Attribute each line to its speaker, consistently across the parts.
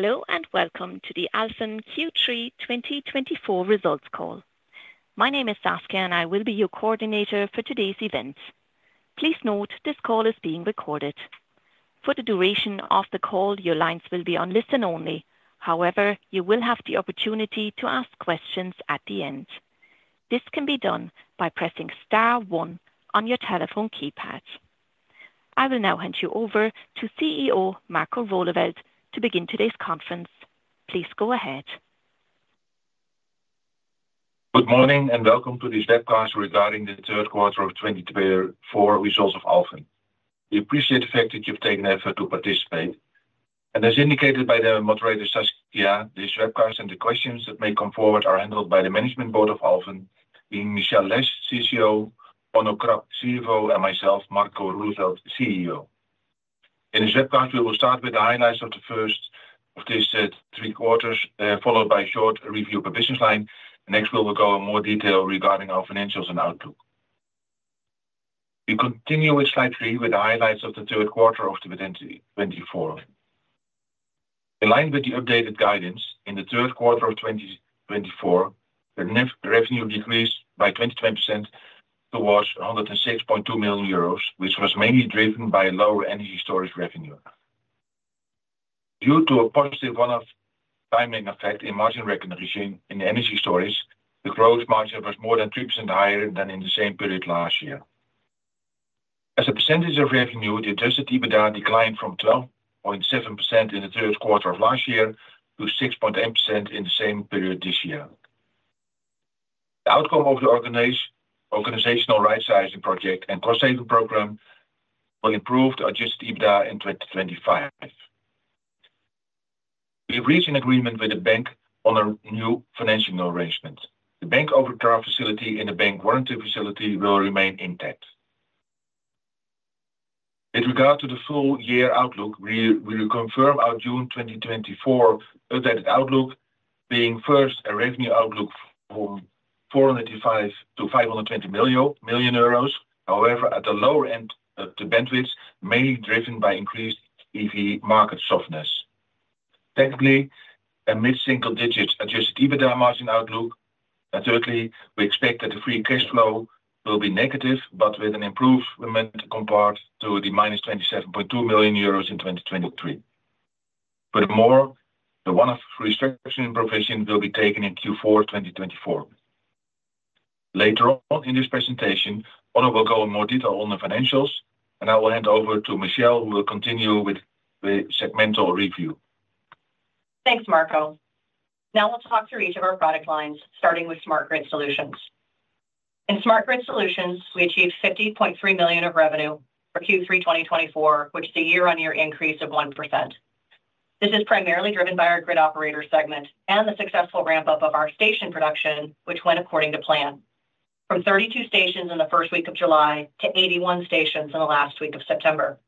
Speaker 1: Hello and welcome to the Alfen Q3 2024 results call. My name is Saskia, and I will be your coordinator for today's event. Please note this call is being recorded. For the duration of the call, your lines will be on listen only; however, you will have the opportunity to ask questions at the end. This can be done by pressing star one on your telephone keypad. I will now hand you over to CEO Marco Roeleveld to begin today's conference. Please go ahead.
Speaker 2: Good morning and welcome to this webcast regarding the Q3 of 2024 results of Alfen. We appreciate the fact that you've taken the effort to participate. And as indicated by the moderator, Saskia, this webcast and the questions that may come forward are handled by the management board of Alfen, Michelle Lesh, CCO, Onno Krap, CFO, and myself, Marco Roeleveld, CEO. In this webcast, we will start with the highlights of the first of these Q3, followed by a short review of the business line. Next, we will go in more detail regarding our financials and outlook. We continue with slide three with the highlights of the Q3 of 2024. In line with the updated guidance, in the Q3 of 2024, the revenue decreased by 22% towards 106.2 million euros, which was mainly driven by lower energy storage revenue. Due to a positive one-off timing effect in margin recognition regime in energy storage, the gross margin was more than 3% higher than in the same period last year. As a percentage of revenue, the adjusted EBITDA declined from 12.7% in the Q3 of last year to 6.8% in the same period this year. The outcome of the organizational rightsizing project and cost-saving program will improve the adjusted EBITDA in 2025. We have reached an agreement with the bank on a new financing arrangement. The bank overdraft facility and the bank warranty facility will remain intact. With regard to the full year outlook, we will confirm our June 2024 updated outlook, being first a revenue outlook for 485-520 million euros. However, at the lower end of the bandwidth, mainly driven by increased EV market softness. Secondly, a mid-single digit adjusted EBITDA margin outlook. Thirdly, we expect that the free cash flow will be negative, but with an improvement compared to the 27.2 million euros in 2023. Furthermore, the one-off restructuring provision will be taken in Q4 2024. Later on in this presentation, Onno will go in more detail on the financials, and I will hand over to Michelle, who will continue with the segmental review.
Speaker 3: Thanks, Marco. Now we'll talk through each of our product lines, starting with smart grid solutions. In smart grid solutions, we achieved 50.3 million of revenue for Q3 2024, which is a year-on-year increase of 1%. This is primarily driven by our grid operator segment and the successful ramp-up of our station production, which went according to plan, from 32 stations in the first week of July to 81 stations in the last week of September.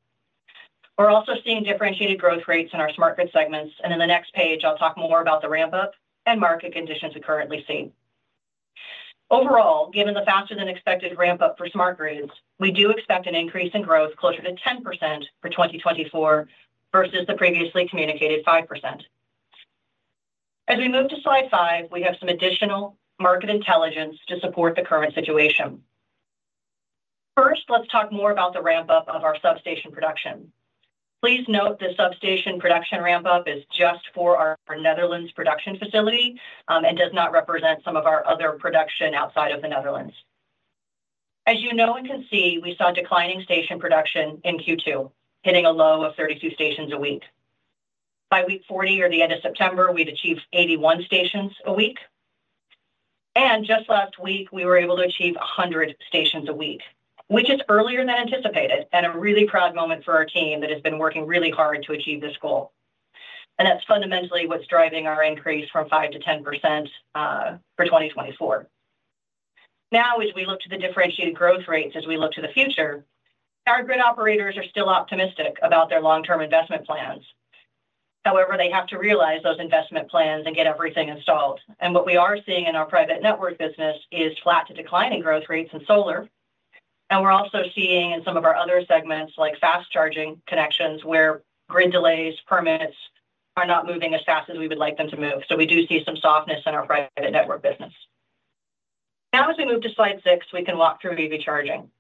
Speaker 3: We're also seeing differentiated growth rates in our smart grid segments, and in the next page, I'll talk more about the ramp-up and market conditions we currently see. Overall, given the faster-than-expected ramp-up for smart grids, we do expect an increase in growth closer to 10% for 2024 versus the previously communicated 5%. As we move to slide five, we have some additional market intelligence to support the current situation. First, let's talk more about the ramp-up of our substation production. Please note the substation production ramp-up is just for our Netherlands production facility and does not represent some of our other production outside of the Netherlands. As you know and can see, we saw declining station production in Q2, hitting a low of 32 stations a week. By week 40, or the end of September, we'd achieved 81 stations a week. And just last week, we were able to achieve 100 stations a week, which is earlier than anticipated and a really proud moment for our team that has been working really hard to achieve this goal. And that's fundamentally what's driving our increase from 5%-10% for 2024. Now, as we look to the differentiated growth rates, as we look to the future, our grid operators are still optimistic about their long-term investment plans. However, they have to realize those investment plans and get everything installed, and what we are seeing in our private network business is flat to declining growth rates in solar, and we're also seeing in some of our other segments, like fast charging connections, where grid delays and permits are not moving as fast as we would like them to move, so we do see some softness in our private network business. Now, as we move to slide six, we can walk through EV charging.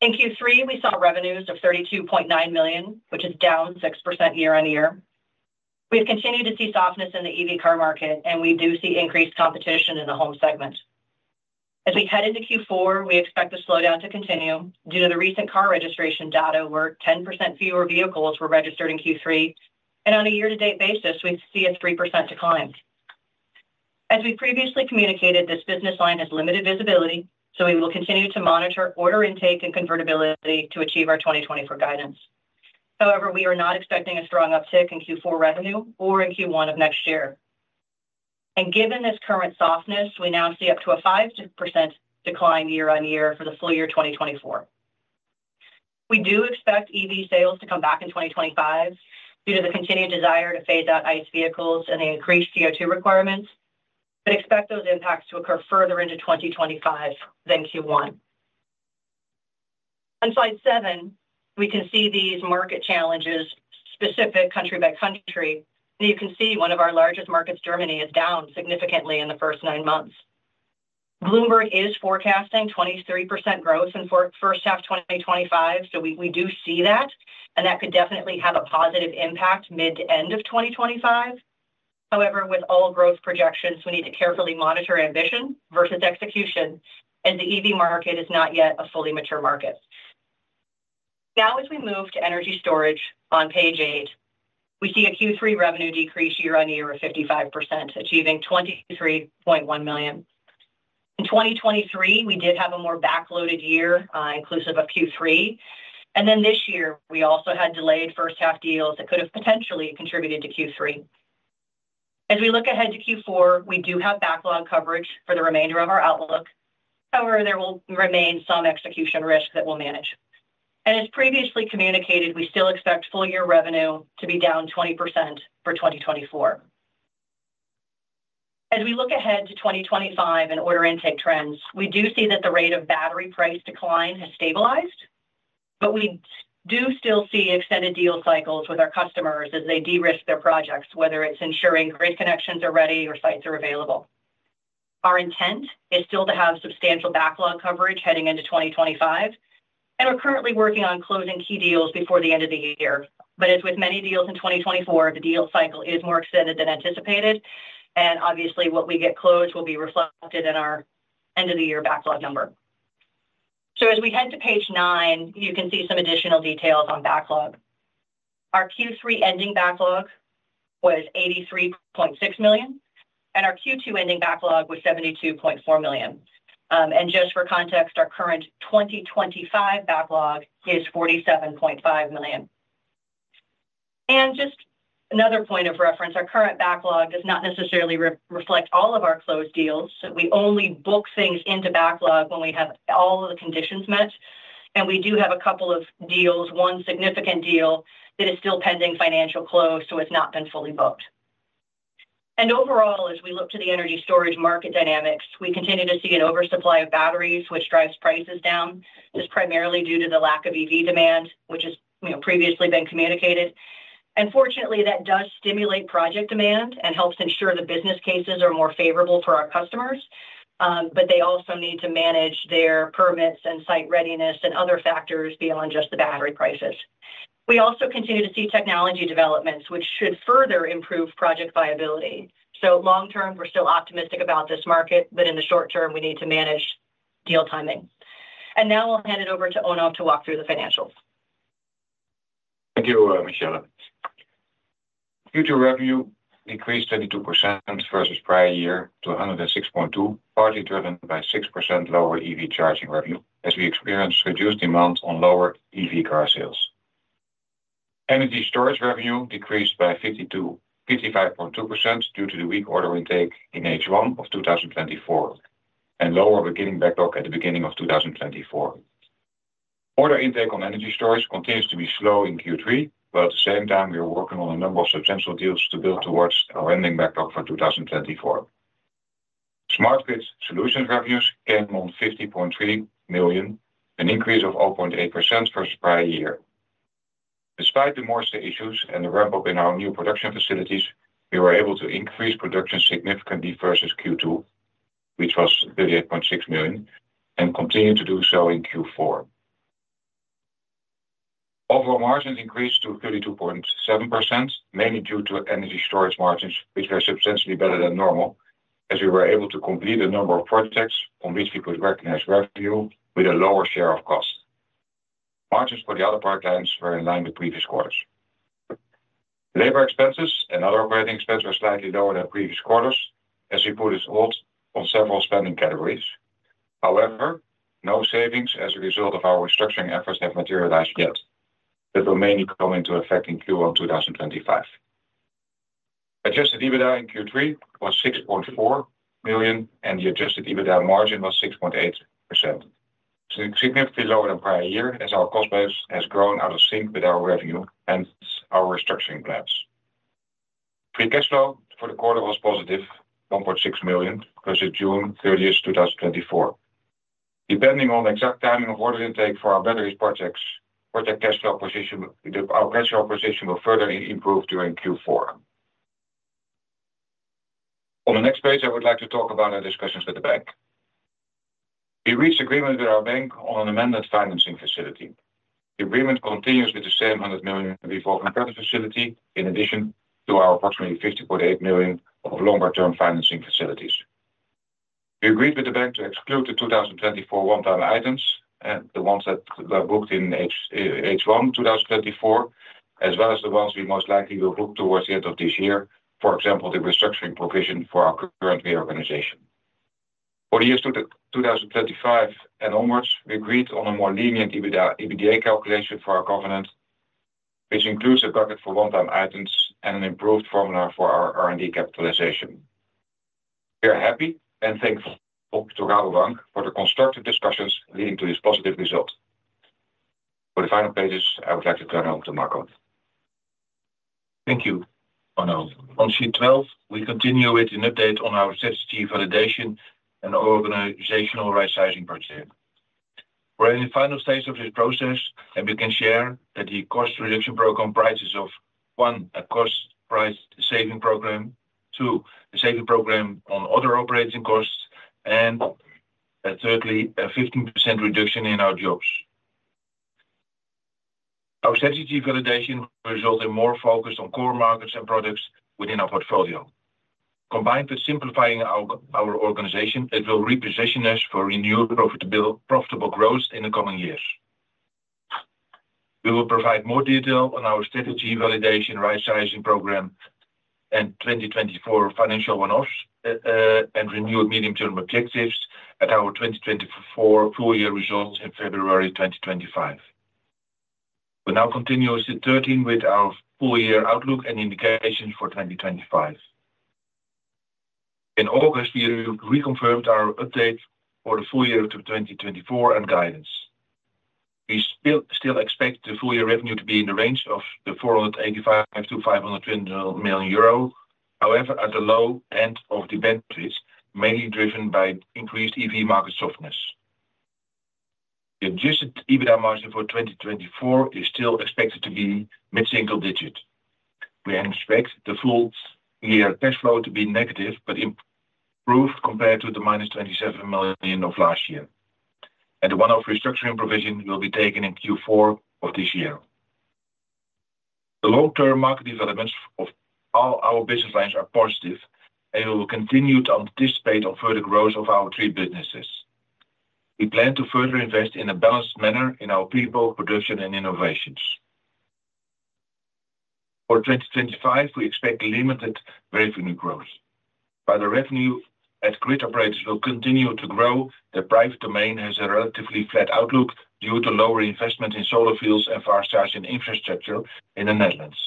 Speaker 3: In Q3, we saw revenues of 32.9 million, which is down 6% year-on-year. We've continued to see softness in the EV car market, and we do see increased competition in the home segment. As we head into Q4, we expect the slowdown to continue due to the recent car registration data where 10% fewer vehicles were registered in Q3. On a year-to-date basis, we see a 3% decline. As we previously communicated, this business line has limited visibility, so we will continue to monitor order intake and convertibility to achieve our 2024 guidance. However, we are not expecting a strong uptick in Q4 revenue or in Q1 of next year. Given this current softness, we now see up to a 5% decline year-on-year for the full year 2024. We do expect EV sales to come back in 2025 due to the continued desire to phase out ICE vehicles and the increased CO2 requirements, but expect those impacts to occur further into 2025 than Q1. On slide seven, we can see these market challenges specific country by country. You can see one of our largest markets, Germany, is down significantly in the first nine months. Bloomberg is forecasting 23% growth in the first half of 2025, so we do see that, and that could definitely have a positive impact mid to end of 2025. However, with all growth projections, we need to carefully monitor ambition versus execution as the EV market is not yet a fully mature market. Now, as we move to energy storage on page eight, we see a Q3 revenue decrease year-on-year of 55%, achieving 23.1 million. In 2023, we did have a more backloaded year, inclusive of Q3. And then this year, we also had delayed first-half deals that could have potentially contributed to Q3. As we look ahead to Q4, we do have backlog coverage for the remainder of our outlook. However, there will remain some execution risk that we'll manage. And as previously communicated, we still expect full-year revenue to be down 20% for 2024. As we look ahead to 2025 and order intake trends, we do see that the rate of battery price decline has stabilized, but we do still see extended deal cycles with our customers as they de-risk their projects, whether it's ensuring grid connections are ready or sites are available. Our intent is still to have substantial backlog coverage heading into 2025, and we're currently working on closing key deals before the end of the year. But as with many deals in 2024, the deal cycle is more extended than anticipated, and obviously, what we get closed will be reflected in our end-of-the-year backlog number. So as we head to page nine, you can see some additional details on backlog. Our Q3 ending backlog was 83.6 million, and our Q2 ending backlog was 72.4 million. And just for context, our current 2025 backlog is 47.5 million. And just another point of reference, our current backlog does not necessarily reflect all of our closed deals. We only book things into backlog when we have all of the conditions met. And we do have a couple of deals, one significant deal that is still pending financial close, so it's not been fully booked. And overall, as we look to the energy storage market dynamics, we continue to see an oversupply of batteries, which drives prices down. This is primarily due to the lack of EV demand, which has previously been communicated. And fortunately, that does stimulate project demand and helps ensure the business cases are more favorable for our customers, but they also need to manage their permits and site readiness and other factors beyond just the battery prices. We also continue to see technology developments, which should further improve project viability. So long-term, we're still optimistic about this market, but in the short term, we need to manage deal timing. And now I'll hand it over to Onno to walk through the financials.
Speaker 4: Thank you, Michelle. Q3 revenue decreased 22% versus prior year to 106.2, partly driven by 6% lower EV charging revenue as we experienced reduced demand on lower EV car sales. Energy storage revenue decreased by 55.2% due to the weak order intake in H1 of 2024 and lower beginning backlog at the beginning of 2024. Order intake on energy storage continues to be slow in Q3, but at the same time, we are working on a number of substantial deals to build towards our ending backlog for 2024. Smart grid solutions revenues came in at 50.3 million, an increase of 0.8% versus prior year. Despite the supply issues and the ramp-up in our new production facilities, we were able to increase production significantly versus Q2, which was 38.6 million, and continue to do so in Q4. Overall margins increased to 32.7%, mainly due to energy storage margins, which were substantially better than normal as we were able to complete a number of projects on which we could recognize revenue with a lower share of cost. Margins for the other pipelines were in line with previous quarters. Labor expenses and other operating expenses were slightly lower than previous quarters as we put a halt on several spending categories. However, no savings as a result of our restructuring efforts have materialized yet, but will mainly come into effect in Q1 2025. Adjusted EBITDA in Q3 was 6.4 million, and the adjusted EBITDA margin was 6.8%. It's significantly lower than prior year as our cost base has grown out of sync with our revenue and our restructuring plans. Free cash flow for the quarter was positive, 1.6 million versus 30th of June, 2024. Depending on the exact timing of order intake for our battery projects, project cash flow position, our cash flow position will further improve during Q4. On the next page, I would like to talk about our discussions with the bank. We reached agreement with our bank on an amended financing facility. The agreement continues with the same 100 million revolving credit facility in addition to our approximately 50.8 million of longer-term financing facilities. We agreed with the bank to exclude the 2024 one-time items and the ones that were booked in H1 2024, as well as the ones we most likely will book towards the end of this year, for example, the restructuring provision for our current reorganization. For the years 2025 and onwards, we agreed on a more lenient EBITDA calculation for our covenant, which includes a bucket for one-time items and an improved formula for our R&D capitalization. We are happy and thankful to Rabobank for the constructive discussions leading to this positive result. For the final pages, I would like to turn over to Marco.
Speaker 2: Thank you, Onno. On sheet 12, we continue with an update on our strategy validation and organizational right-sizing project. We're in the final stage of this process, and we can share that the cost reduction program comprises of, one, a cost price saving program, two, a saving program on other operating costs, and thirdly, a 15% reduction in our jobs. Our strategy validation resulted in more focus on core markets and products within our portfolio. Combined with simplifying our organization, it will reposition us for renewed profitable growth in the coming years. We will provide more detail on our strategy validation right-sizing program and 2024 financial one-offs and renewed medium-term objectives at our 2024 full-year results in February 2025. We now continue with sheet 13 with our full-year outlook and indications for 2025. In August, we reconfirmed our update for the full year to 2024 and guidance. We still expect the full-year revenue to be in the range of 485-520 million euro. However, at the low end of the benefits, mainly driven by increased EV market softness. The Adjusted EBITDA margin for 2024 is still expected to be mid-single digit. We expect the full-year cash flow to be negative but improved compared to the minus 27 million of last year. And the one-off restructuring provision will be taken in Q4 of this year. The long-term market developments of all our business lines are positive, and we will continue to anticipate further growth of our three businesses. We plan to further invest in a balanced manner in our people, production, and innovations. For 2025, we expect limited revenue growth. While the revenue at grid operators will continue to grow, the private domain has a relatively flat outlook due to lower investment in solar fields and fast charging infrastructure in the Netherlands.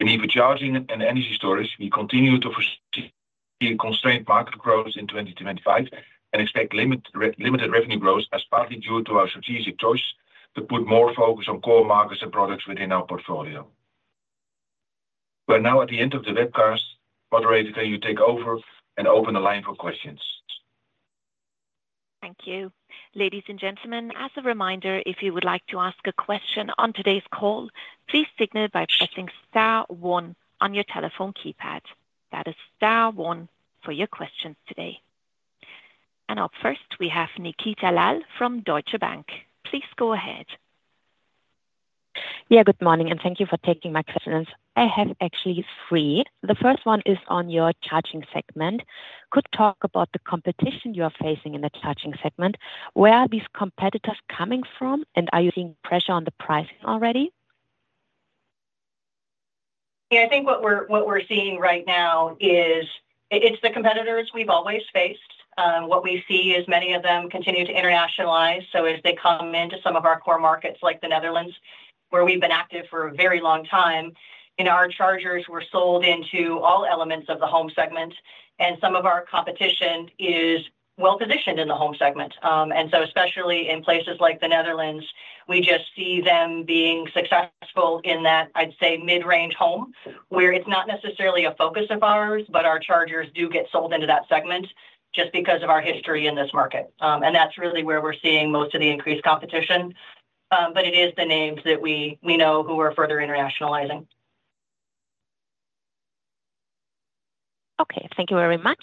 Speaker 2: In EV charging and energy storage, we continue to foresee constrained market growth in 2025 and expect limited revenue growth, as partly due to our strategic choice to put more focus on core markets and products within our portfolio. We're now at the end of the webcast. Moderator, can you take over and open the line for questions?
Speaker 1: Thank you. Ladies and gentlemen, as a reminder, if you would like to ask a question on today's call, please signal by pressing star one on your telephone keypad. That is star one for your questions today. And up first, we have Nikita Lal from Deutsche Bank. Please go ahead.
Speaker 5: Yeah, good morning, and thank you for taking my questions. I have actually three. The first one is on your charging segment. Could you talk about the competition you are facing in the charging segment? Where are these competitors coming from, and are you seeing pressure on the pricing already?
Speaker 3: Yeah, I think what we're seeing right now is, it's the competitors we've always faced. What we see is many of them continue to internationalize. So as they come into some of our core markets like the Netherlands, where we've been active for a very long time, our chargers were sold into all elements of the home segment, and some of our competition is well-positioned in the home segment. And so especially in places like the Netherlands, we just see them being successful in that, I'd say, mid-range home where it's not necessarily a focus of ours, but our chargers do get sold into that segment just because of our history in this market. And that's really where we're seeing most of the increased competition. But it is the names that we know who are further internationalizing.
Speaker 5: Okay, thank you very much.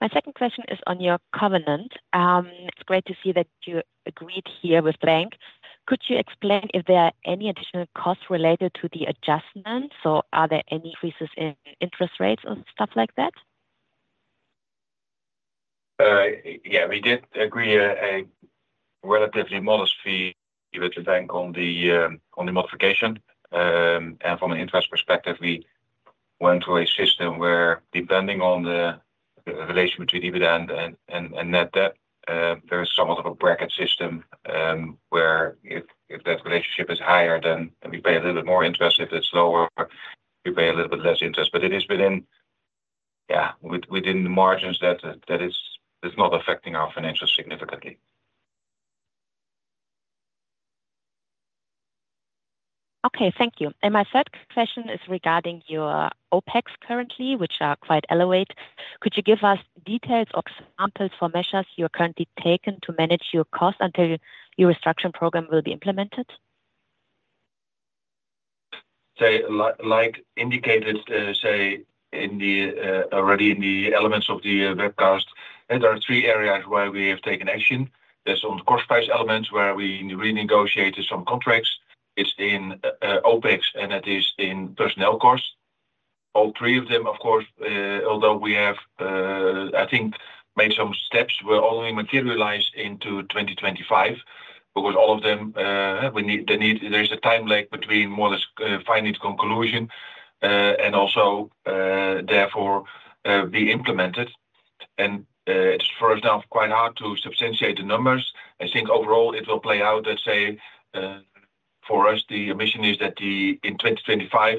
Speaker 5: My second question is on your covenant. It's great to see that you agreed here with the bank. Could you explain if there are any additional costs related to the adjustment? So are there any increases in interest rates or stuff like that?
Speaker 4: Yeah, we did agree a relatively modest fee with the bank on the modification, and from an interest perspective, we went to a system where, depending on the relation between EBITDA and net debt, there is somewhat of a bracket system where if that relationship is higher, then we pay a little bit more interest. If it's lower, we pay a little bit less interest. But it is within, yeah, within the margins that it's not affecting our financials significantly.
Speaker 5: Okay, thank you. And my third question is regarding your OpEx currently, which are quite elevated. Could you give us details or examples for measures you are currently taking to manage your cost until your restructuring program will be implemented?
Speaker 4: Like indicated, say, already in the elements of the webcast, there are three areas where we have taken action. There's on the cost price elements where we renegotiated some contracts. It's in OpEx, and it is in personnel costs. All three of them, of course, although we have, I think, made some steps, will only materialize into 2025 because all of them, there is a time lag between more or less finding conclusion and also therefore be implemented. And it's for us now quite hard to substantiate the numbers. I think overall it will play out that, say, for us, the mission is that in 2025,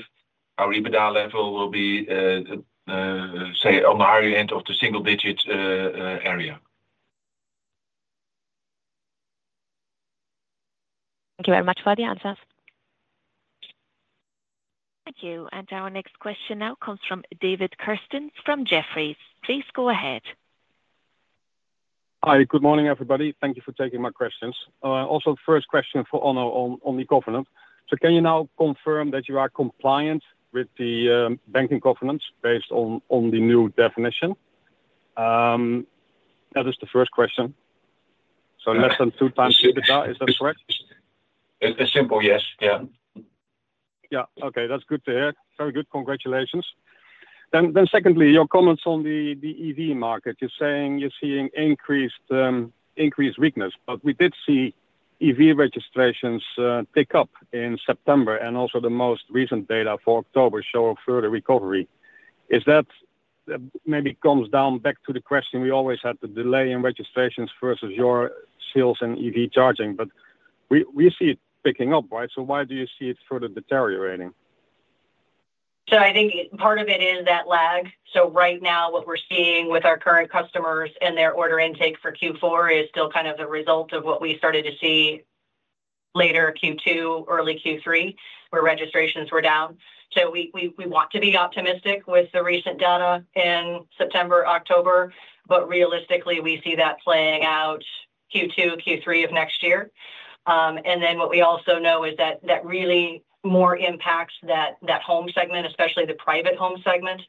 Speaker 4: our EBITDA level will be, say, on the higher end of the single-digit area.
Speaker 5: Thank you very much for the answers.
Speaker 1: Thank you. And our next question now comes from David Kerstens from Jefferies. Please go ahead.
Speaker 6: Hi, good morning, everybody. Thank you for taking my questions. Also, first question for Onno on the covenant. So can you now confirm that you are compliant with the banking covenants based on the new definition? That is the first question. So less than two times EBITDA, is that correct?
Speaker 4: It's simple, yes. Yeah.
Speaker 6: Yeah. Okay. That's good to hear. Very good. Congratulations. Then, secondly, your comments on the EV market. You're saying you're seeing increased weakness, but we did see EV registrations pick up in September, and also the most recent data for October show a further recovery. Is that maybe comes down back to the question we always had, the delay in registrations versus your sales and EV charging, but we see it picking up, right? So why do you see it further deteriorating?
Speaker 3: So I think part of it is that lag. So right now, what we're seeing with our current customers and their order intake for Q4 is still kind of the result of what we started to see later Q2, early Q3, where registrations were down. So we want to be optimistic with the recent data in September, October, but realistically, we see that playing out Q2, Q3 of next year. And then what we also know is that that really more impacts that home segment, especially the private home segment.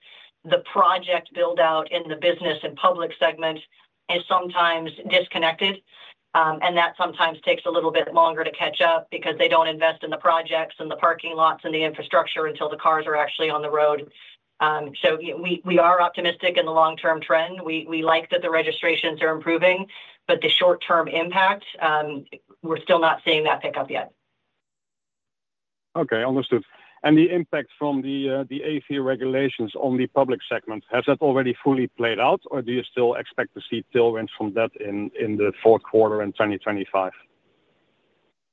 Speaker 3: The project build-out in the business and public segment is sometimes disconnected, and that sometimes takes a little bit longer to catch up because they don't invest in the projects and the parking lots and the infrastructure until the cars are actually on the road. So we are optimistic in the long-term trend. We like that the registrations are improving, but the short-term impact, we're still not seeing that pick up yet.
Speaker 6: Okay. Understood. And the impact from the AC regulations on the public segment, has that already fully played out, or do you still expect to see tailwinds from that in the Q4 in 2025?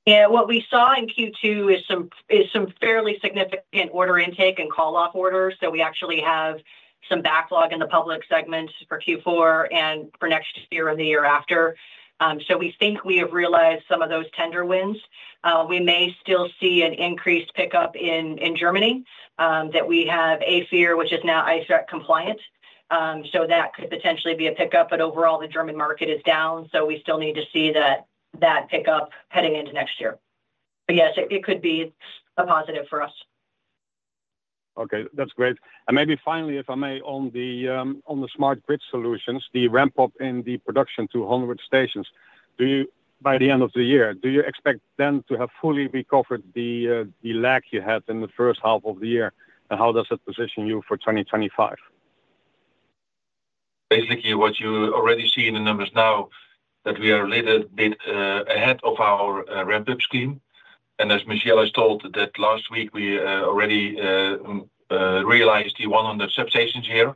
Speaker 3: Yeah. What we saw in Q2 is some fairly significant order intake and call-off orders, so we actually have some backlog in the public segment for Q4 and for next year and the year after, so we think we have realized some of those tender wins. We may still see an increased pickup in Germany that we have AFIR, which is now Eichrecht compliant, so that could potentially be a pickup, but overall, the German market is down, so we still need to see that pickup heading into next year, but yes, it could be a positive for us.
Speaker 6: Okay. That's great. And maybe finally, if I may, on the smart grid solutions, the ramp-up in the production to 100 stations by the end of the year, do you expect then to have fully recovered the lag you had in the first half of the year? And how does that position you for 2025?
Speaker 2: Basically, what you already see in the numbers now that we are a little bit ahead of our ramp-up scheme. And as Michelle has told that last week, we already realized the 100 substations here.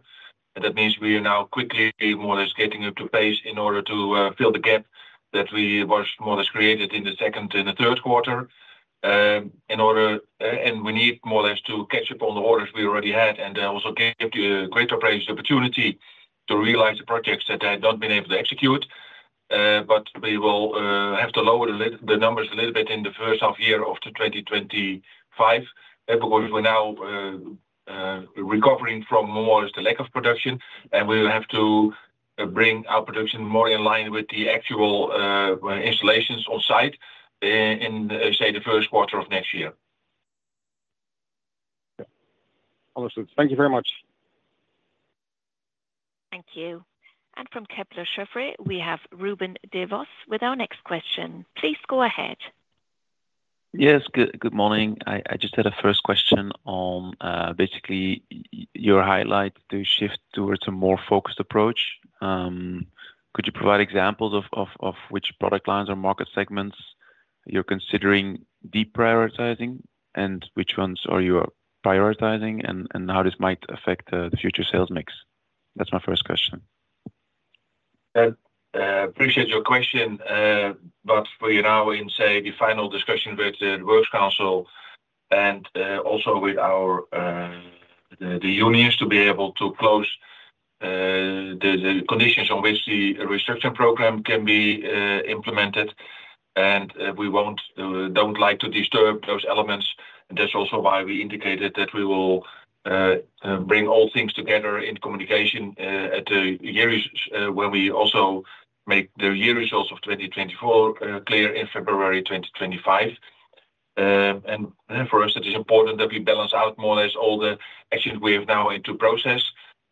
Speaker 2: And that means we are now quickly more or less getting up to pace in order to fill the gap that we were more or less created in the second and the Q3. And we need more or less to catch up on the orders we already had and also give the grid operations the opportunity to realize the projects that they had not been able to execute. But we will have to lower the numbers a little bit in the first half year of 2025 because we're now recovering from more or less the lack of production, and we will have to bring our production more in line with the actual installations on site in, say, the Q1 of next year.
Speaker 6: Understood. Thank you very much.
Speaker 1: Thank you. And from Kepler Cheuvreux, we have Ruben Devos with our next question. Please go ahead.
Speaker 7: Yes. Good morning. I just had a first question on basically your highlight to shift towards a more focused approach. Could you provide examples of which product lines or market segments you're considering deprioritizing and which ones are you prioritizing and how this might affect the future sales mix? That's my first question.
Speaker 4: I appreciate your question, but we are now in, say, the final discussion with the Works Council and also with the unions to be able to close the conditions on which the restructuring program can be implemented, and we don't like to disturb those elements, and that's also why we indicated that we will bring all things together in communication at year-end when we also make the year results of 2024 clear in February 2025, and for us, it is important that we balance out more or less all the actions we have now in process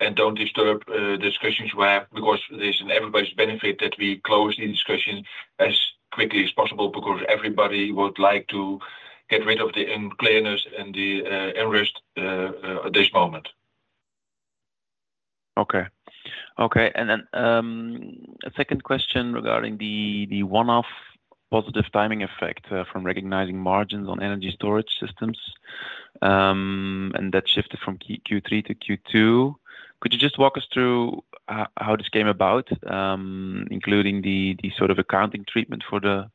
Speaker 4: and don't disturb discussions we have because it is in everybody's benefit that we close the discussion as quickly as possible because everybody would like to get rid of the uncertainty and the unrest at this moment.
Speaker 7: Okay. And then a second question regarding the one-off positive timing effect from recognizing margins on energy storage systems and that shifted from Q3 to Q2. Could you just walk us through how this came about, including the sort of accounting treatment for the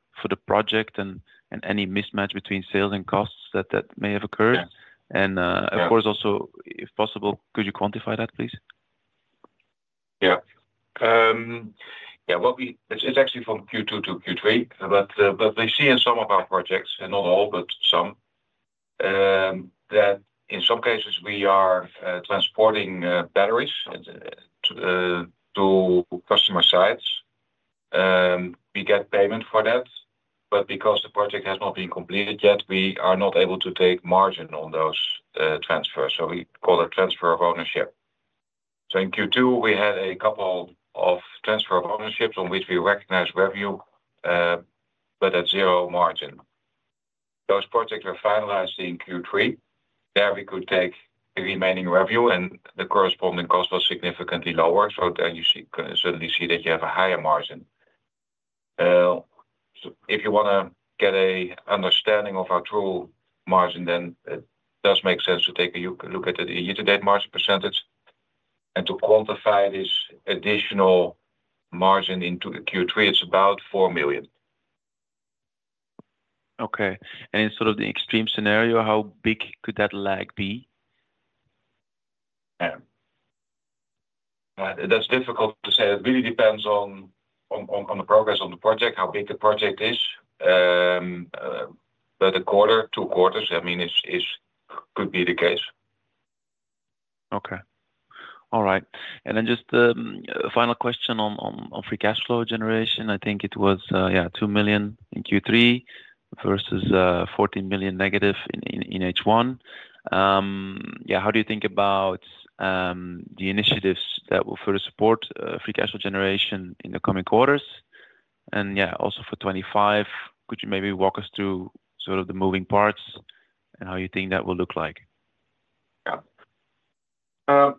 Speaker 7: project and any mismatch between sales and costs that may have occurred? And of course, also, if possible, could you quantify that, please?
Speaker 4: Yeah. Yeah. It's actually from Q2 to Q3, but we see in some of our projects, not all, but some, that in some cases, we are transporting batteries to customer sites. We get payment for that, but because the project has not been completed yet, we are not able to take margin on those transfers. So we call it transfer of ownership. So in Q2, we had a couple of transfer of ownerships on which we recognized revenue, but at zero margin. Those projects were finalized in Q3. There we could take the remaining revenue, and the corresponding cost was significantly lower. So then you certainly see that you have a higher margin. If you want to get an understanding of our true margin, then it does make sense to take a look at the year-to-date margin percentage, and to quantify this additional margin into Q3, it's about 4 million.
Speaker 7: Okay, and in sort of the extreme scenario, how big could that lag be?
Speaker 4: That's difficult to say. It really depends on the progress on the project, how big the project is. But a quarter, two quarters, I mean, could be the case.
Speaker 7: Okay. All right. And then just the final question on free cash flow generation. I think it was, yeah, 2 million in Q3 versus 14 million negative in H1. Yeah. How do you think about the initiatives that will further support free cash flow generation in the coming quarters? And yeah, also for 2025, could you maybe walk us through sort of the moving parts and how you think that will look like?
Speaker 4: Yeah.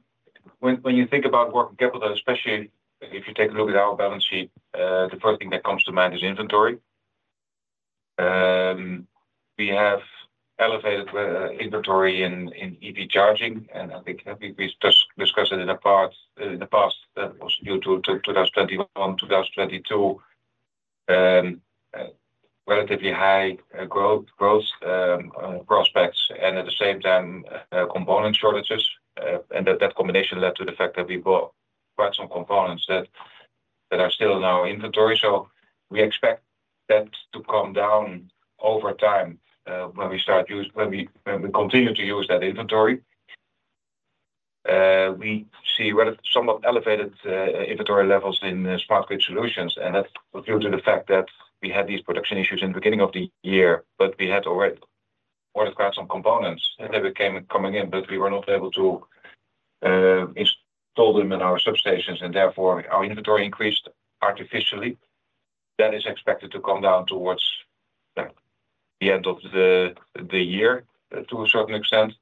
Speaker 4: When you think about working capital though, especially if you take a look at our balance sheet, the first thing that comes to mind is inventory. We have elevated inventory in EV charging, and I think we discussed it in the past that was due to 2021, 2022, relatively high growth prospects, and at the same time, component shortages. And that combination led to the fact that we bought quite some components that are still in our inventory. So we expect that to come down over time when we continue to use that inventory. We see somewhat elevated inventory levels in smart grid solutions, and that's due to the fact that we had these production issues in the beginning of the year, but we had already ordered quite some components that were coming in, but we were not able to install them in our substations, and therefore our inventory increased artificially. That is expected to come down towards the end of the year to a certain extent.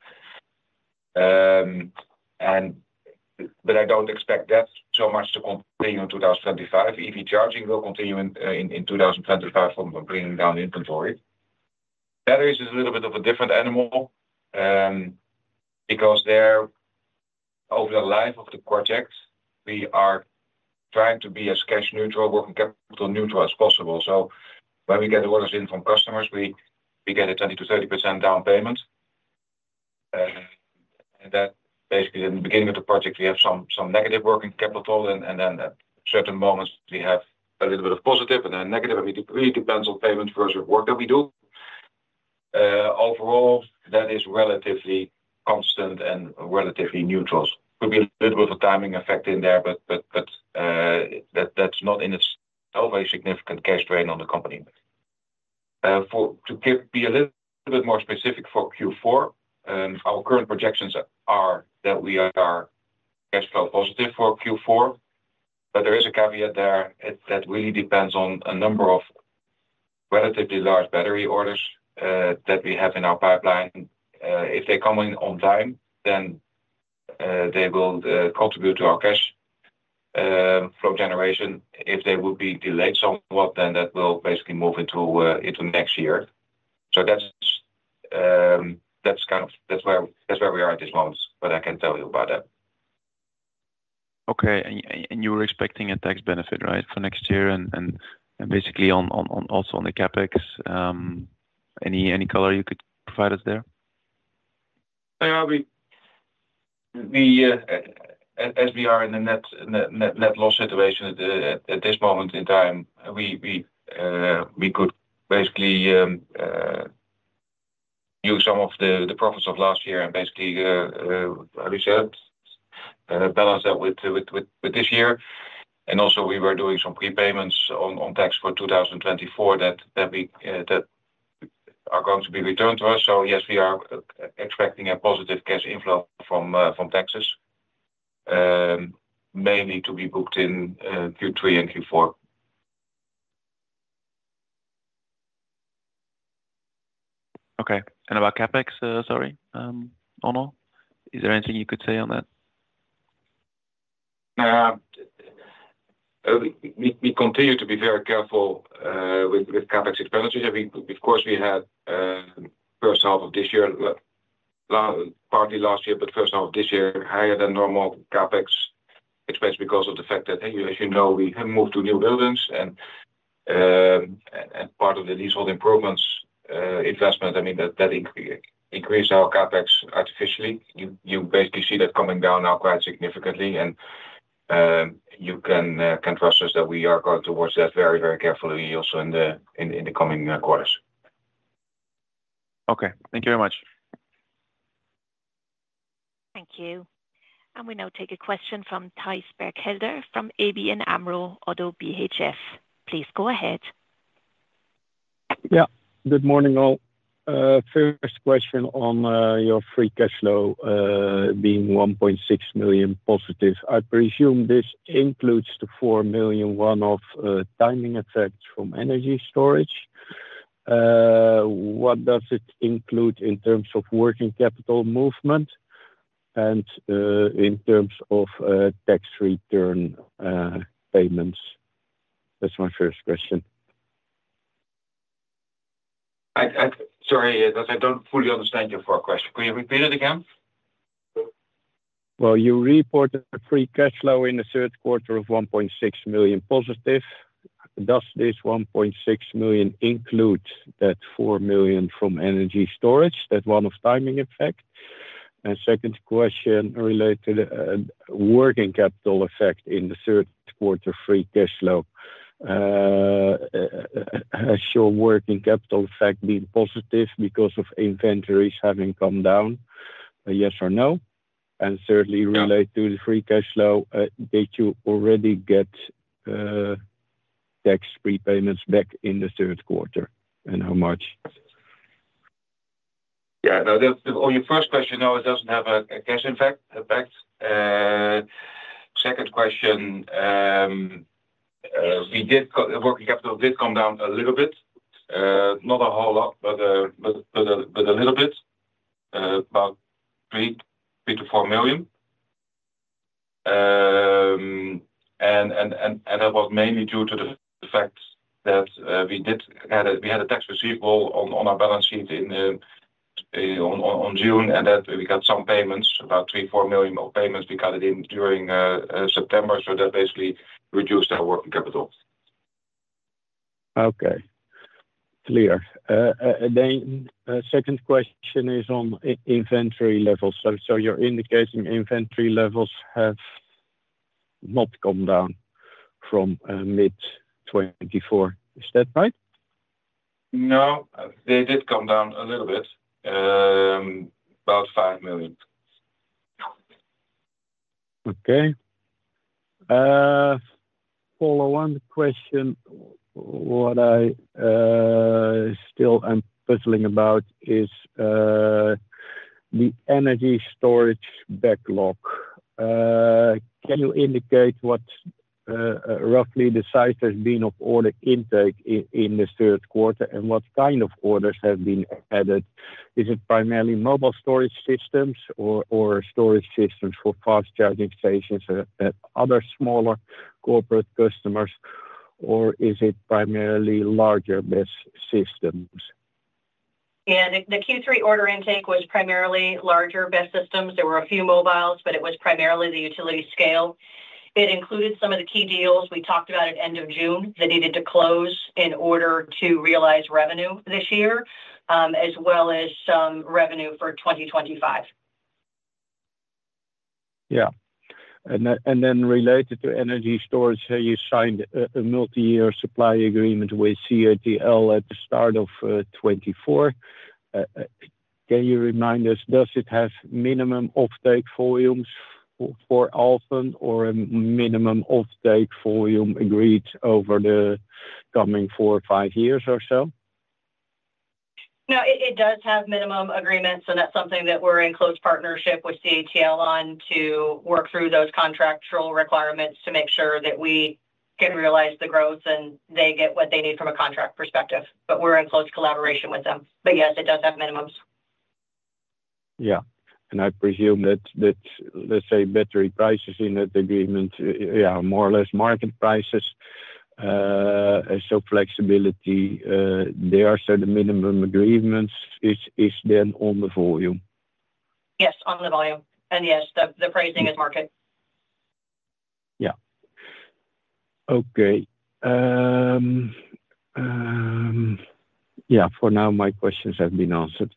Speaker 4: But I don't expect that so much to continue in 2025. EV charging will continue in 2025 from bringing down inventory. Batteries is a little bit of a different animal because over the life of the project, we are trying to be as cash-neutral, working capital-neutral as possible. So when we get orders in from customers, we get a 20%-30% down payment. And that basically, in the beginning of the project, we have some negative working capital, and then at certain moments, we have a little bit of positive and then negative. It really depends on payment versus work that we do. Overall, that is relatively constant and relatively neutral. Could be a little bit of a timing effect in there, but that's not in itself a significant cash drain on the company. To be a little bit more specific for Q4, our current projections are that we are cash flow positive for Q4, but there is a caveat there that really depends on a number of relatively large battery orders that we have in our pipeline. If they come in on time, then they will contribute to our cash flow generation. If they would be delayed somewhat, then that will basically move into next year. So that's kind of where we are at this moment, what I can tell you about that.
Speaker 7: Okay. And you were expecting a tax benefit, right, for next year and basically also on the CapEx? Any color you could provide us there?
Speaker 4: As we are in the net loss situation at this moment in time, we could basically use some of the profits of last year and basically reset and balance that with this year, and also, we were doing some prepayments on tax for 2024 that are going to be returned to us, so yes, we are expecting a positive cash inflow from taxes, mainly to be booked in Q3 and Q4.
Speaker 7: Okay. And about CapEx, sorry, Onno? Is there anything you could say on that?
Speaker 4: We continue to be very careful with CapEx expenditures. Of course, we had first half of this year, partly last year, but first half of this year, higher than normal CapEx expense because of the fact that, as you know, we have moved to new buildings. And part of the leasehold improvements investment, I mean, that increased our CapEx artificially. You basically see that coming down now quite significantly, and you can trust us that we are going towards that very, very carefully also in the coming quarters.
Speaker 7: Okay. Thank you very much.
Speaker 1: Thank you. We now take a question from Thijs Berkelder from ABN AMRO - ODDO BHF. Please go ahead.
Speaker 8: Yeah. Good morning, all. First question on your free cash flow being 1.6 million positive. I presume this includes the 4 million, one-off timing effect from energy storage. What does it include in terms of working capital movement and in terms of tax return payments? That's my first question.
Speaker 4: Sorry, I don't fully understand your first question. Can you repeat it again?
Speaker 8: You reported a free cash flow in the Q3 of 1.6 million positive. Does this 1.6 million include that 4 million from energy storage, that one-off timing effect? Second question related to the working capital effect in the Q3 free cash flow. Has your working capital effect been positive because of inventories having come down? Yes or no? Thirdly, related to the free cash flow, did you already get tax prepayments back in the Q3 and how much?
Speaker 4: Yeah. On your first question, no, it doesn't have a cash effect. Second question, working capital did come down a little bit. Not a whole lot, but a little bit, about EUR 3-EUR 4 million. And that was mainly due to the fact that we had a tax receivable on our balance sheet in June, and that we got some payments, about 3-4 million of payments we got in during September. So that basically reduced our working capital.
Speaker 8: Okay. Clear. Then second question is on inventory levels. So you're indicating inventory levels have not come down from mid-2024. Is that right?
Speaker 4: No. They did come down a little bit, about EUR 5 million.
Speaker 8: Okay. Follow-on question, what I still am puzzling about is the energy storage backlog. Can you indicate what roughly the size has been of order intake in the Q3 and what kind of orders have been added? Is it primarily mobile storage systems or storage systems for fast charging stations and other smaller corporate customers, or is it primarily larger BESS systems?
Speaker 3: Yeah. The Q3 order intake was primarily larger BESS. There were a few mobiles, but it was primarily the utility scale. It included some of the key deals we talked about at the end of June that needed to close in order to realize revenue this year, as well as some revenue for 2025.
Speaker 8: Yeah, and then related to energy storage, you signed a multi-year supply agreement with CATL at the start of 2024. Can you remind us, does it have minimum off-take volumes for Alfen or a minimum off-take volume agreed over the coming four or five years or so?
Speaker 3: No, it does have minimum agreements, and that's something that we're in close partnership with CATL on to work through those contractual requirements to make sure that we can realize the growth and they get what they need from a contract perspective. But we're in close collaboration with them. But yes, it does have minimums.
Speaker 8: Yeah. And I presume that, let's say, battery prices in that agreement, yeah, more or less market prices, so flexibility, there are certain minimum agreements. Is then on the volume?
Speaker 3: Yes, on the volume, and yes, the pricing is market.
Speaker 8: Yeah. Okay. Yeah. For now, my questions have been answered.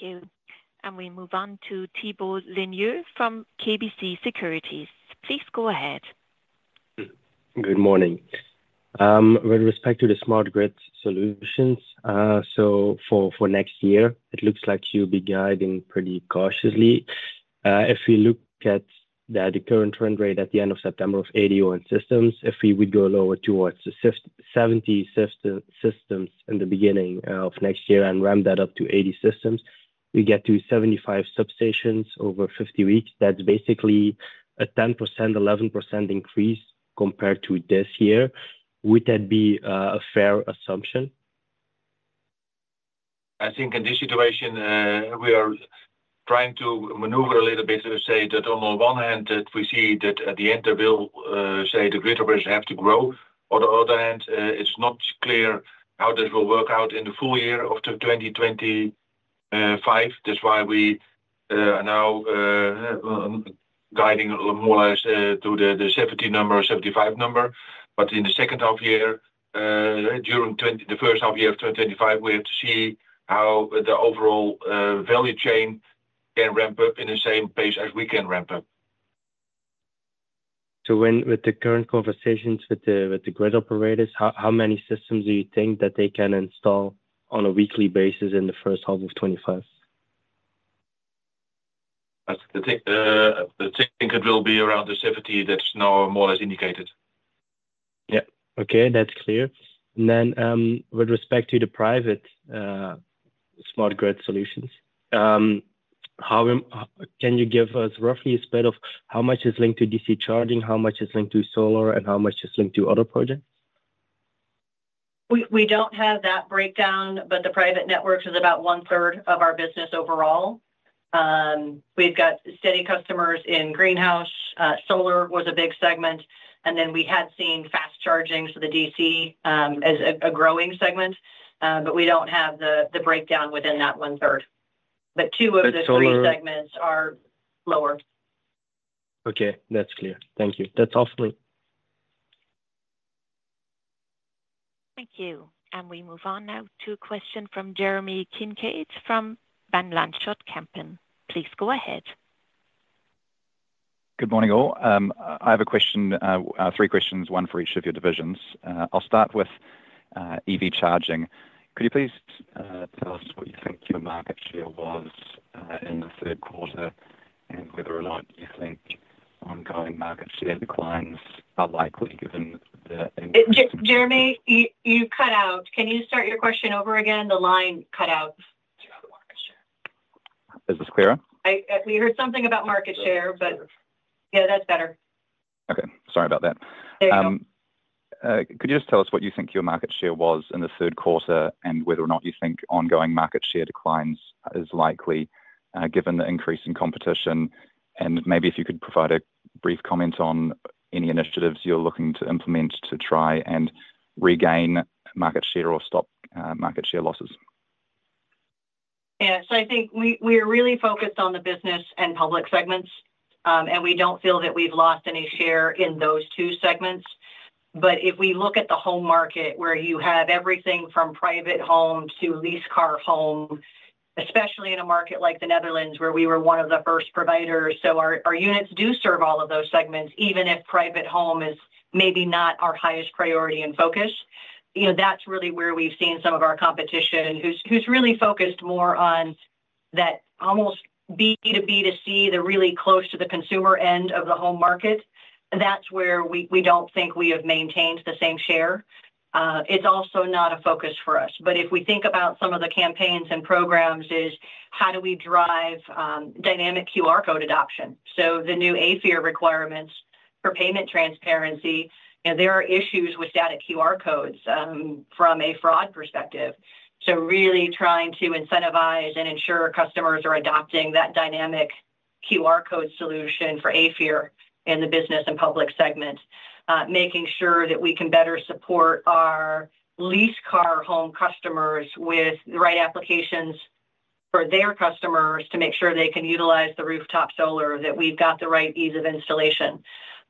Speaker 1: Thank you. And we move on to Thibault Leneeuw from KBC Securities. Please go ahead.
Speaker 9: Good morning. With respect to the smart grid solutions, so for next year, it looks like you'll be guiding pretty cautiously. If we look at the current trend rate at the end of September of 80 own systems, if we would go lower towards 70 systems in the beginning of next year and ramp that up to 80 systems, we get to 75 substations over 50 weeks. That's basically a 10%, 11% increase compared to this year. Would that be a fair assumption?
Speaker 4: I think in this situation, we are trying to maneuver a little bit to say that on the one hand, we see that at the end, the grid operators have to grow. On the other hand, it's not clear how this will work out in the full year of 2025. That's why we are now guiding more or less to the 70 number, 75 number. But in the second half year, during the first half year of 2025, we have to see how the overall value chain can ramp up in the same pace as we can ramp up.
Speaker 9: With the current conversations with the grid operators, how many systems do you think that they can install on a weekly basis in the first half of 2025?
Speaker 4: I think it will be around the 70 that's now more or less indicated.
Speaker 9: Yeah. Okay. That's clear. And then with respect to the private smart grid solutions, can you give us roughly a split of how much is linked to DC charging, how much is linked to solar, and how much is linked to other projects?
Speaker 3: We don't have that breakdown, but the private networks is about one-third of our business overall. We've got steady customers in greenhouse. Solar was a big segment. And then we had seen fast charging for the DC as a growing segment, but we don't have the breakdown within that one-third. But two of the three segments are lower.
Speaker 9: Okay. That's clear. Thank you. That's awfully.
Speaker 1: Thank you. And we move on now to a question from Jeremy Kincaid from Van Lanschot Kempen. Please go ahead.
Speaker 10: Good morning, all. I have three questions, one for each of your divisions. I'll start with EV charging. Could you please tell us what you think your market share was in the Q3 and whether or not you think ongoing market share declines are likely given the?
Speaker 3: Jeremy, you cut out. Can you start your question over again? The line cut out.
Speaker 10: Is this clearer?
Speaker 3: We heard something about market share, but yeah, that's better.
Speaker 10: Okay. Sorry about that.
Speaker 3: There you go.
Speaker 10: Could you just tell us what you think your market share was in the Q3 and whether or not you think ongoing market share declines is likely given the increase in competition? And maybe if you could provide a brief comment on any initiatives you're looking to implement to try and regain market share or stop market share losses.
Speaker 3: Yeah. So I think we are really focused on the business and public segments, and we don't feel that we've lost any share in those two segments. But if we look at the home market, where you have everything from private home to lease car home, especially in a market like the Netherlands where we were one of the first providers, so our units do serve all of those segments, even if private home is maybe not our highest priority and focus, that's really where we've seen some of our competition who's really focused more on that almost B to B to C, the really close to the consumer end of the home market. That's where we don't think we have maintained the same share. It's also not a focus for us. But if we think about some of the campaigns and programs, it's how do we drive dynamic QR code adoption? So the new AFIR requirements for payment transparency, there are issues with static QR codes from a fraud perspective. So really trying to incentivize and ensure customers are adopting that dynamic QR code solution for AFIR in the business and public segment, making sure that we can better support our lease car home customers with the right applications for their customers to make sure they can utilize the rooftop solar that we've got the right ease of installation.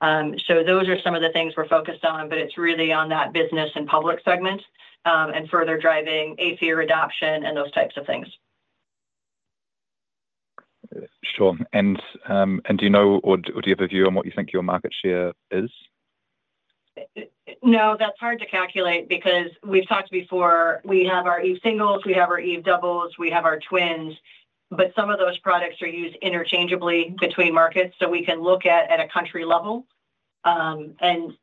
Speaker 3: So those are some of the things we're focused on, but it's really on that business and public segment and further driving AFIR adoption and those types of things.
Speaker 10: Sure. And do you know, or do you have a view on what you think your market share is?
Speaker 3: No, that's hard to calculate because we've talked before. We have our Eve singles, we have our Eve Doubles, we have our Twins, but some of those products are used interchangeably between markets. So we can look at a country level, and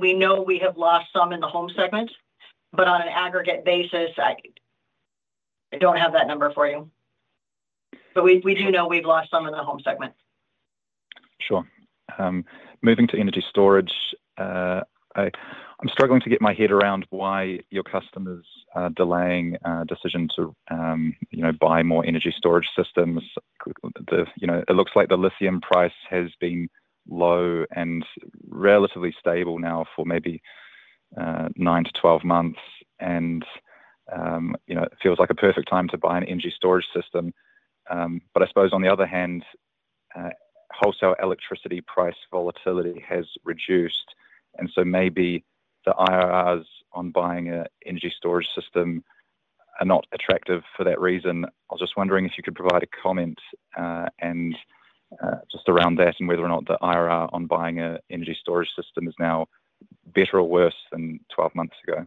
Speaker 3: we know we have lost some in the home segment, but on an aggregate basis, I don't have that number for you. But we do know we've lost some in the home segment.
Speaker 10: Sure. Moving to energy storage, I'm struggling to get my head around why your customers are delaying a decision to buy more energy storage systems. It looks like the lithium price has been low and relatively stable now for maybe 9-12 months, and it feels like a perfect time to buy an energy storage system. But I suppose, on the other hand, wholesale electricity price volatility has reduced, and so maybe the IRRs on buying an energy storage system are not attractive for that reason. I was just wondering if you could provide a comment just around that and whether or not the IRR on buying an energy storage system is now better or worse than 12 months ago.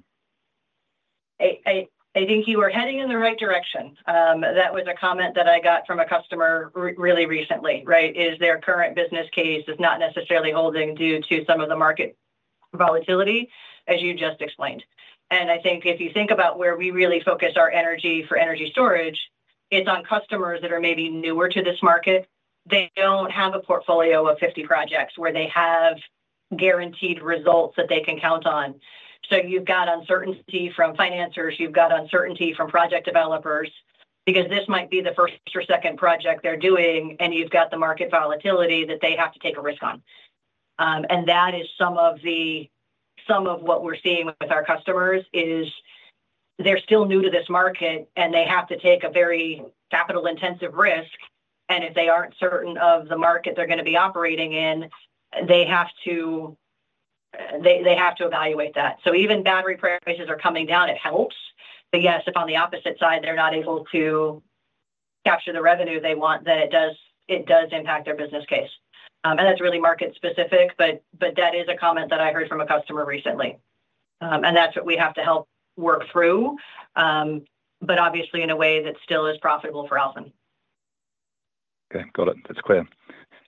Speaker 3: I think you are heading in the right direction. That was a comment that I got from a customer really recently, right? Is their current business case not necessarily holding due to some of the market volatility, as you just explained? And I think if you think about where we really focus our energy for energy storage, it's on customers that are maybe newer to this market. They don't have a portfolio of 50 projects where they have guaranteed results that they can count on. So you've got uncertainty from financiers, you've got uncertainty from project developers because this might be the first or second project they're doing, and you've got the market volatility that they have to take a risk on. And that is some of what we're seeing with our customers is they're still new to this market, and they have to take a very capital-intensive risk. And if they aren't certain of the market they're going to be operating in, they have to evaluate that. So even battery prices are coming down, it helps. But yes, if on the opposite side, they're not able to capture the revenue they want, then it does impact their business case. And that's really market-specific, but that is a comment that I heard from a customer recently. And that's what we have to help work through, but obviously in a way that still is profitable for Alfen.
Speaker 10: Okay. Got it. That's clear.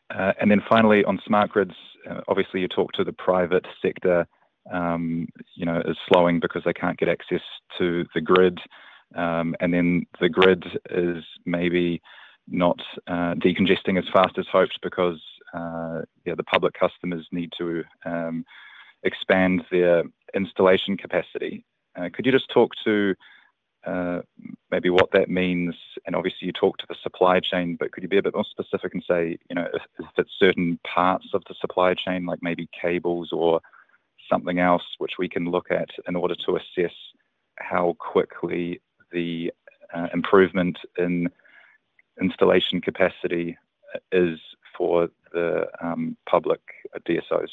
Speaker 10: And then finally, on smart grids, obviously you talk to the private sector is slowing because they can't get access to the grid. And then the grid is maybe not decongesting as fast as hoped because the public customers need to expand their installation capacity. Could you just talk to maybe what that means? And obviously, you talk to the supply chain, but could you be a bit more specific and say if it's certain parts of the supply chain, like maybe cables or something else, which we can look at in order to assess how quickly the improvement in installation capacity is for the public DSOs?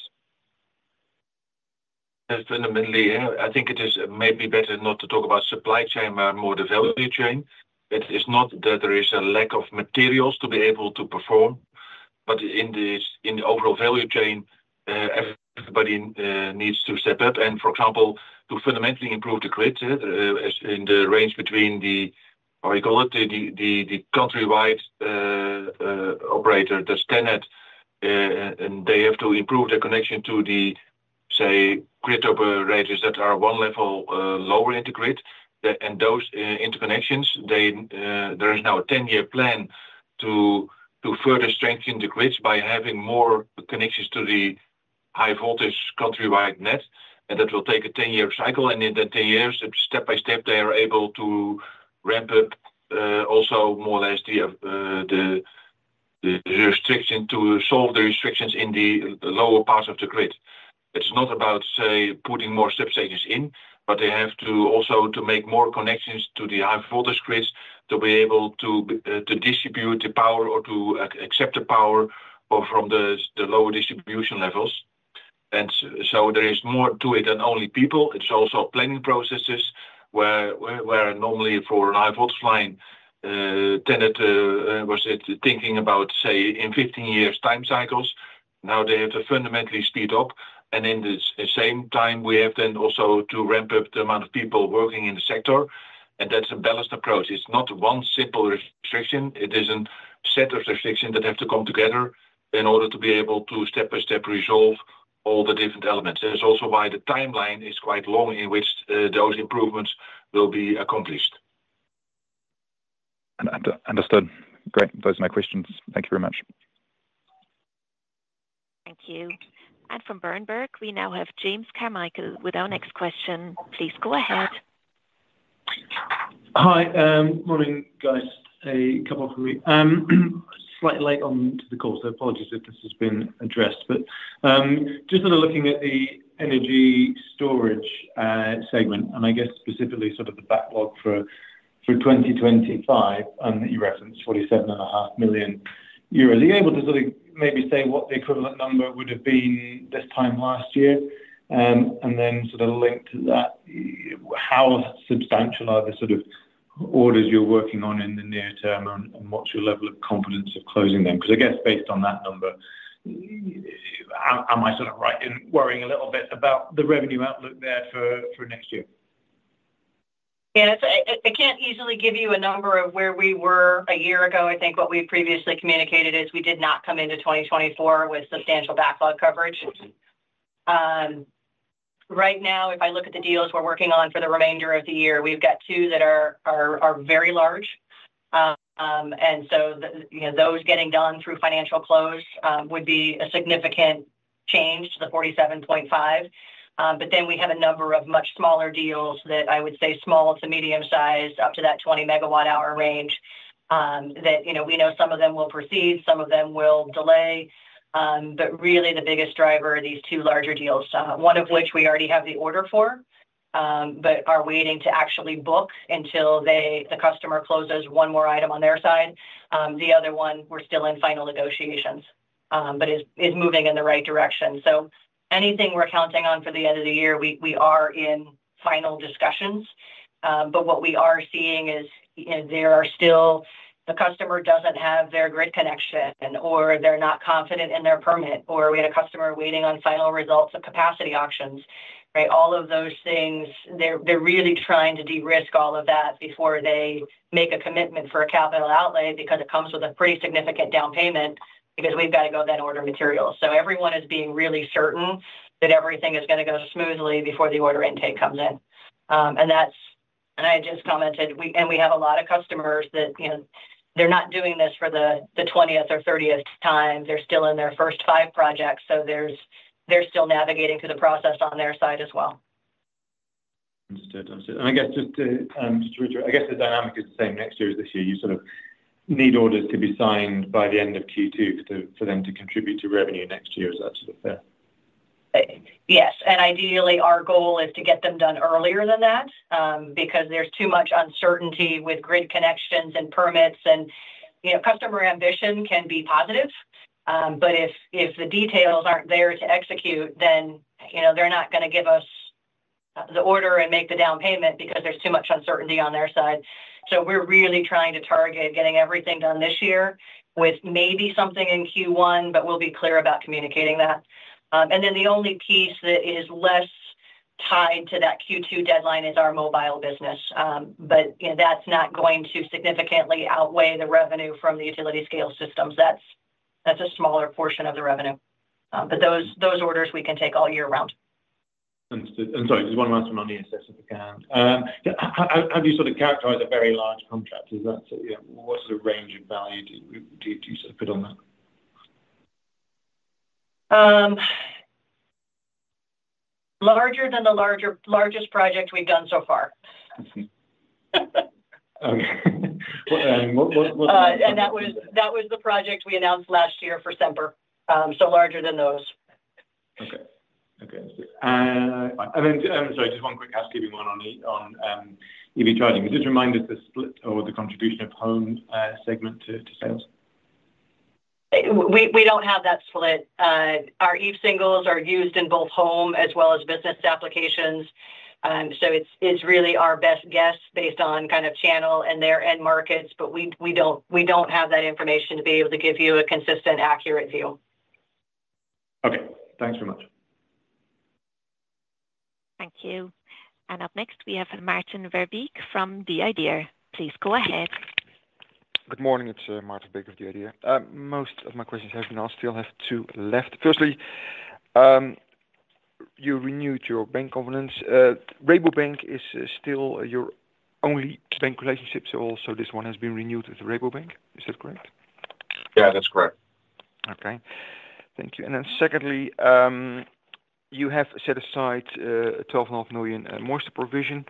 Speaker 2: Definitely. I think it is maybe better not to talk about supply chain and more the value chain. It's not that there is a lack of materials to be able to perform, but in the overall value chain, everybody needs to step up. And for example, to fundamentally improve the grid in the range between the, how do you call it, the countrywide operator, the standard, and they have to improve their connection to the, say, grid operators that are one level lower in the grid. And those interconnections, there is now a 10-year plan to further strengthen the grids by having more connections to the high-voltage countrywide net. And that will take a 10-year cycle. And in that 10 years, step by step, they are able to ramp up also more or less the restriction to solve the restrictions in the lower part of the grid. It's not about, say, putting more substations in, but they have to also make more connections to the high-voltage grids to be able to distribute the power or to accept the power from the lower distribution levels. And so there is more to it than only people. It's also planning processes where normally for a high-voltage line, was it thinking about, say, in 15 years' time cycles? Now they have to fundamentally speed up. And in the same time, we have then also to ramp up the amount of people working in the sector. And that's a balanced approach. It's not one simple restriction. It is a set of restrictions that have to come together in order to be able to step by step resolve all the different elements. That's also why the timeline is quite long in which those improvements will be accomplished.
Speaker 10: Understood. Great. Those are my questions. Thank you very much.
Speaker 1: Thank you. From Berenberg, we now have James Carmichael with our next question. Please go ahead.
Speaker 11: Hi. Morning, guys. A couple from me. Slightly late onto the call, so apologies if this has been addressed. But just sort of looking at the energy storage segment, and I guess specifically sort of the backlog for 2025 that you referenced, 47.5 million euros. Are you able to sort of maybe say what the equivalent number would have been this time last year? And then sort of linked to that, how substantial are the sort of orders you're working on in the near term and what's your level of confidence of closing them? Because I guess based on that number, am I sort of worrying a little bit about the revenue outlook there for next year?
Speaker 3: Yeah. I can't easily give you a number of where we were a year ago. I think what we previously communicated is we did not come into 2024 with substantial backlog coverage. Right now, if I look at the deals we're working on for the remainder of the year, we've got two that are very large. And so those getting done through financial close would be a significant change to the 47.5. But then we have a number of much smaller deals that I would say small to medium size, up to that 20 megawatt-hour range that we know some of them will proceed, some of them will delay. But really the biggest driver are these two larger deals, one of which we already have the order for, but are waiting to actually book until the customer closes one more item on their side. The other one, we're still in final negotiations, but is moving in the right direction. So anything we're counting on for the end of the year, we are in final discussions. But what we are seeing is there are still the customer doesn't have their grid connection, or they're not confident in their permit, or we had a customer waiting on final results of capacity auctions, right? All of those things, they're really trying to de-risk all of that before they make a commitment for a capital outlay because it comes with a pretty significant down payment because we've got to go then order materials. So everyone is being really certain that everything is going to go smoothly before the order intake comes in. And I just commented, and we have a lot of customers that they're not doing this for the 20th or 30th time. They're still in their first five projects, so they're still navigating through the process on their side as well.
Speaker 11: Understood. Understood, and I guess just to reiterate, I guess the dynamic is the same next year as this year. You sort of need orders to be signed by the end of Q2 for them to contribute to revenue next year. Is that sort of fair?
Speaker 3: Yes. And ideally, our goal is to get them done earlier than that because there's too much uncertainty with grid connections and permits. And customer ambition can be positive, but if the details aren't there to execute, then they're not going to give us the order and make the down payment because there's too much uncertainty on their side. So we're really trying to target getting everything done this year with maybe something in Q1, but we'll be clear about communicating that. And then the only piece that is less tied to that Q2 deadline is our mobile business, but that's not going to significantly outweigh the revenue from the utility scale systems. That's a smaller portion of the revenue. But those orders, we can take all year round.
Speaker 11: Understood. And sorry, just one last one on the assets if we can. How do you sort of characterize a very large contract? What sort of range of value do you sort of put on that?
Speaker 3: Larger than the largest project we've done so far.
Speaker 11: Okay, and what?
Speaker 3: That was the project we announced last year for Semper. Larger than those.
Speaker 11: Okay. Okay. And sorry, just one quick housekeeping one on EV charging. Would you just remind us the split or the contribution of home segment to sales?
Speaker 3: We don't have that split. Our Eve Singles are used in both home as well as business applications. So it's really our best guess based on kind of channel and their end markets, but we don't have that information to be able to give you a consistent, accurate view.
Speaker 11: Okay. Thanks very much.
Speaker 1: Thank you. And up next, we have Martin Verbeek from The Idea. Please go ahead.
Speaker 12: Good morning. It's Maarten Verbeek of The Idea. Most of my questions have been asked. I still have two left. Firstly, you renewed your bank covenant. Rabobank is still your only bank relationship, so also this one has been renewed with Rabobank. Is that correct?
Speaker 2: Yeah, that's correct.
Speaker 13: Okay. Thank you. And then secondly, you have set aside 12.5 million more provision.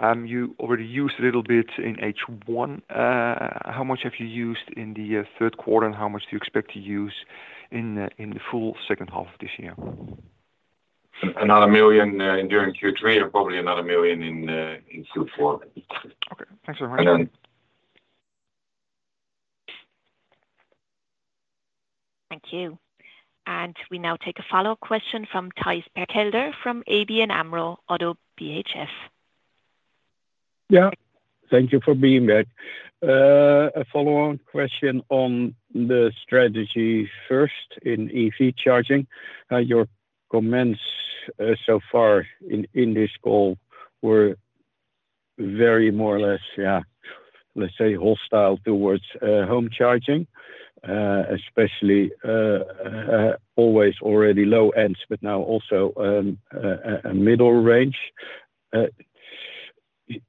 Speaker 13: You already used a little bit in H1. How much have you used in the Q3, and how much do you expect to use in the full second half of this year?
Speaker 2: Another million during Q3 and probably another million in Q4.
Speaker 12: Okay. Thanks very much.
Speaker 2: And then.
Speaker 1: Thank you. And we now take a follow-up question from Thijs Berkelder from ABN AMRO ODDO BHF.
Speaker 8: Yeah. Thank you for being there. A follow-on question on the strategy first in EV charging. Your comments so far in this call were very more or less, yeah, let's say, hostile towards home charging, especially always already low ends, but now also middle range.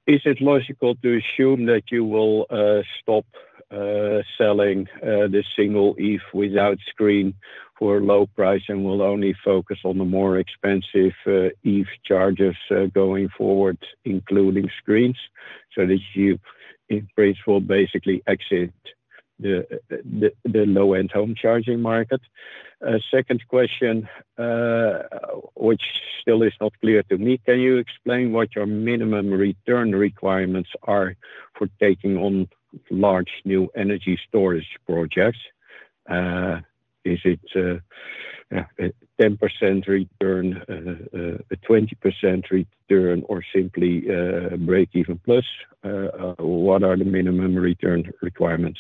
Speaker 8: Is it logical to assume that you will stop selling the Eve Single without screen for a low price and will only focus on the more expensive EV chargers going forward, including screens, so that you basically exit the low-end home charging market? Second question, which still is not clear to me, can you explain what your minimum return requirements are for taking on large new energy storage projects? Is it a 10% return, a 20% return, or simply break-even plus? What are the minimum return requirements?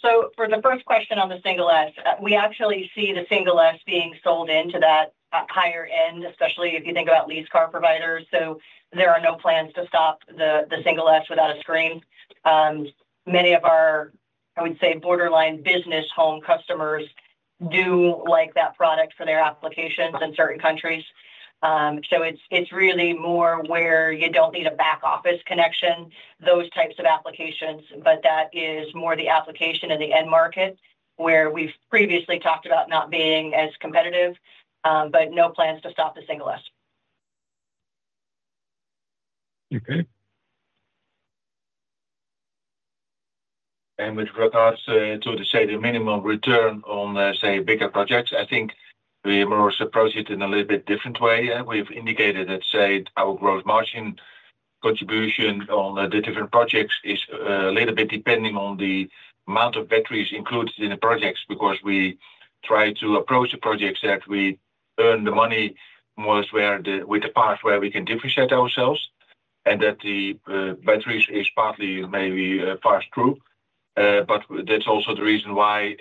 Speaker 3: So for the first question on the Single S, we actually see the Single S being sold into that higher end, especially if you think about lease car providers. So there are no plans to stop the Single S without a screen. Many of our, I would say, borderline business home customers do like that product for their applications in certain countries. So it's really more where you don't need a back office connection, those types of applications, but that is more the application in the end market where we've previously talked about not being as competitive, but no plans to stop the Single S.
Speaker 2: Okay. And with regards to, say, the minimum return on, say, bigger projects, I think we're more approaching it in a little bit different way. We've indicated that, say, our gross margin contribution on the different projects is a little bit depending on the amount of batteries included in the projects because we try to approach the projects that we earn the money with the part where we can differentiate ourselves and that the batteries is partly maybe pass through. But that's also the reason why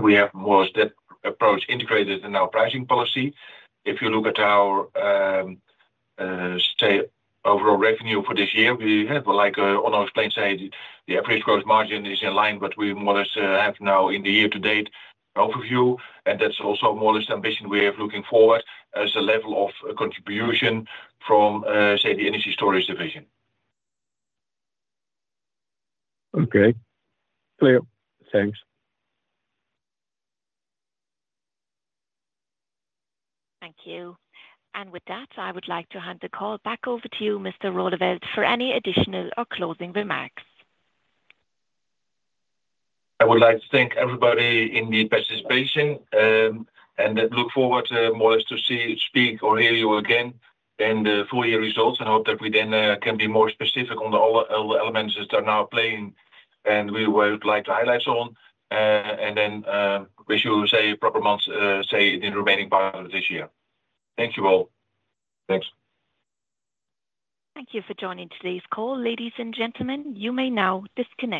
Speaker 2: we have more of that approach integrated in our pricing policy. If you look at our, say, overall revenue for this year, we have on our screen, say, the average gross margin is in line, but we more or less have now in the year-to-date overview. That's also more or less the ambition we have looking forward as a level of contribution from, say, the energy storage division.
Speaker 8: Okay. Clear. Thanks.
Speaker 1: Thank you. And with that, I would like to hand the call back over to you, Mr. Roeleveld, for any additional or closing remarks.
Speaker 2: I would like to thank everybody for the participation and look forward more or less to speak or hear you again in the full year results. I hope that we then can be more specific on all the elements that are now playing and we would like to highlight on and then wish you, say, a proper month, say, in the remaining part of this year. Thank you all. Thanks.
Speaker 1: Thank you for joining today's call, ladies and gentlemen. You may now disconnect.